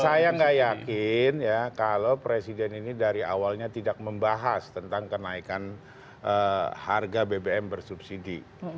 saya nggak yakin ya kalau presiden ini dari awalnya tidak membahas tentang kenaikan harga bbm bersubsidi